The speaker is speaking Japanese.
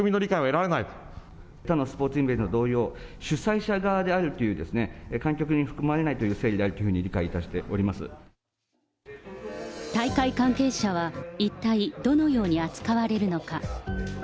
他のスポーツイベント同様、主催者側であるという観客に含まれないという整理であるというふ大会関係者は、一体どのように扱われるのか。